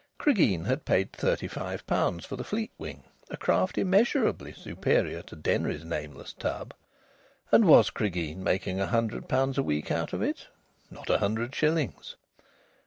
Cregeen had paid thirty five pounds for the Fleetwing, a craft immeasurably superior to Denry's nameless tub. And was Cregeen making a hundred pounds a week out of it? Not a hundred shillings!